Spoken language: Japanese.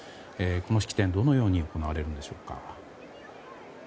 この式典はどのように行われるんでしょうか。